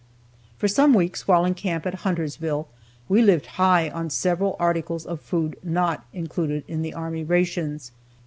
For some weeks while in camp at Huntersville, we lived high on several articles of food not included in the army rations.